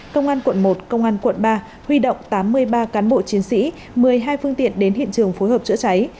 công an quận một công an quận ba huy động tám mươi ba cán bộ chiến sĩ một mươi hai phương tiện đến hiện trường phối hợp chữa cháy